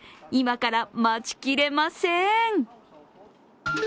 今から待ちきれません。